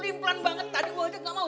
limplan banget tadi gue aja gak mau